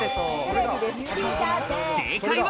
正解は。